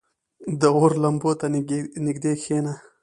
• د اور لمبو ته نږدې کښېنه.